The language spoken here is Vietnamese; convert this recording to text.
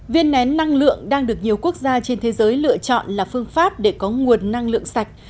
viên nén năng lượng đang được nhiều quốc gia trên thế giới lựa chọn là phương pháp để có nguồn năng lượng sạch